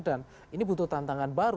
dan ini butuh tantangan baru tentu